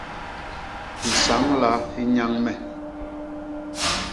Hisañla hi nnyañ me.